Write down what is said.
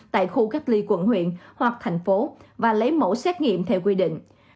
tại khu cách ly quận huyện hoặc thành phố và lấy mẫu xét nghiệm theo quy định